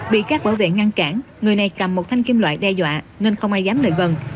bị các bảo vệ ngăn cản người này cầm một thanh kim loại đe dọa nên không ai dám lợi vần